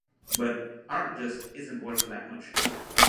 But "art just isn't worth that much".